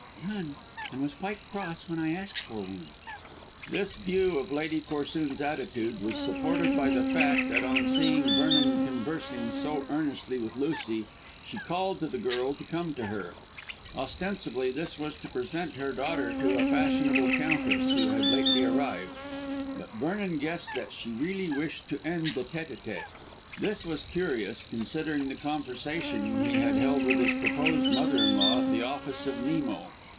"None, and was quite cross when I asked for one." This view of Lady Corsoon's attitude was supported by the fact that on seeing Vernon conversing so earnestly with Lucy she called to the girl to come to her. Ostensibly this was to present her daughter to a fashionable countess who had lately arrived, but Vernon guessed that she really wished to end the tête à tête. This was curious, considering the conversation which he had held with his proposed mother in law at the office of Nemo.